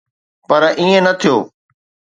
پر ائين نه ٿيو.